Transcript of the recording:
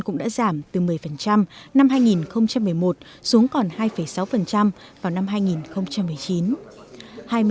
cũng đã giảm từ một mươi năm hai nghìn một mươi một xuống còn hai sáu vào năm hai nghìn một mươi chín